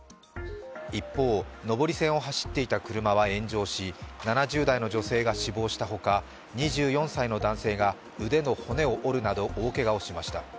一方、上り線を走っていた車は炎上し７０代の女性が死亡したほか２４歳の男性が腕の骨を折るなど大けがをしました。